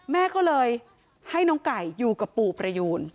แม่ก็เลยให้น้องไก่อยู่กับปู่ประยูน